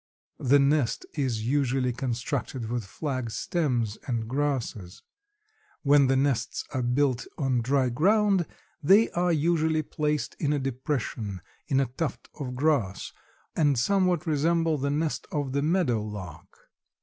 The nest is usually constructed with flag stems and grasses. When the nests are built on dry ground they are usually placed in a depression in a tuft of grass and somewhat resemble the nest of the meadow lark.